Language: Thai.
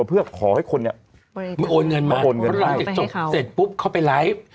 เพื่อขอให้คนเนี่ยโอนเงินมาเพราะว่าเมื่อเจ็บจบเสร็จปุ๊บเข้าไปไลฟ์